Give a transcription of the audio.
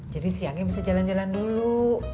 jadi siangnya bisa jalan jalan dulu